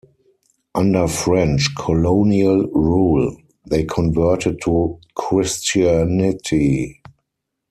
Under French colonial rule, they converted to Christianity.